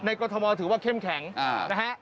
กรทมถือว่าเข้มแข็งนะฮะ